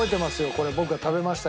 これ僕が食べましたけどね。